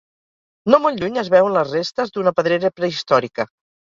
No molt lluny es veuen les restes d'una pedrera prehistòrica.